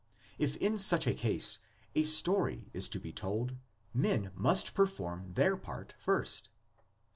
If in such a case a "story" is to be told, men must perform their part first.